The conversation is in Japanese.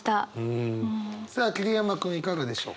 さあ桐山君いかがでしょうか？